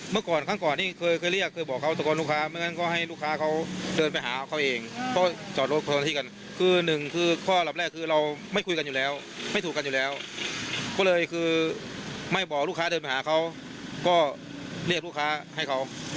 มันเรียกบ่ไหวเกินไปมันก็เลยขี้เกียจเรียก